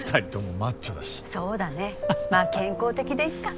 まっ健康的でいっか。